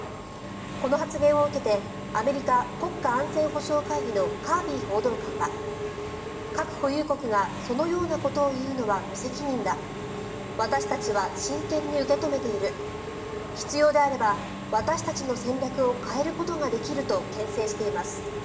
この発言を受けてアメリカ国家安全保障会議のカービー報道官は核保有国がそのようなことを言うのは無責任だ私たちは真剣に受け止めている必要であれば私たちの戦略を変えることができるとけん制しています。